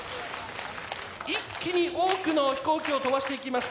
一気に多くの飛行機を飛ばしていきます